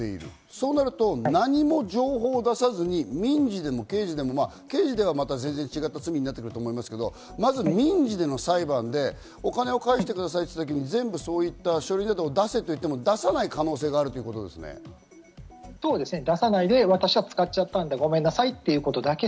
そうなると何も情報を出さずに民事でも刑事でも刑事では全然違った罪になってくると思いますが、まず民事での裁判で、お金を返してくださいと言った時に、そういった書類などを出せと言っても、出さない可能性があるということですね。